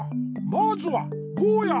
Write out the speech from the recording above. まずはぼうや。